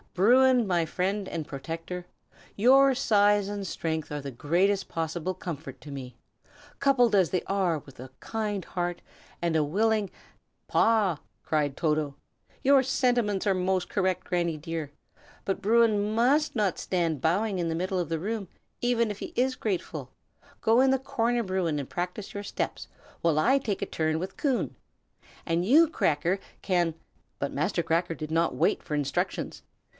"Bruin, my friend and protector, your size and strength are the greatest possible comfort to me, coupled as they are with a kind heart and a willing " "Paw!" cried Toto. "Your sentiments are most correct, Granny, dear; but Bruin must not stand bowing in the middle of the room, even if he is grateful. Go in the corner, Bruin, and practise your steps, while I take a turn with Coon. And you, Cracker, can " But Master Cracker did not wait for instructions.